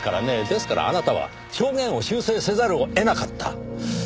ですからあなたは証言を修正せざるを得なかった。